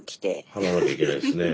払わなきゃいけないですね。